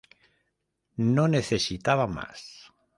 No necesitaba más.